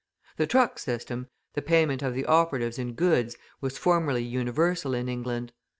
The truck system, the payment of the operatives in goods, was formerly universal in England.